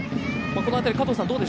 この辺り、加藤さん